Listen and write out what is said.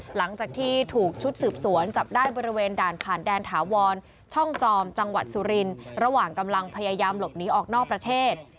หลังจากที่ถูกชุดสืบสวนจับได้บริเวณด่านผ่านแดนถาวรช่องจอมจังหวัดสุรินทร์ระหว่างกำลังพยายามหลบหนีออกนอกประเทศ